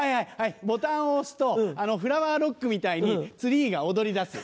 ボタンを押すとフラワーロックみたいにツリーが踊りだす。